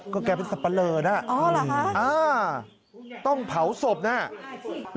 ก็แกเป็นสปะเลอนะต้องเผาศพนะอ๋อเหรอ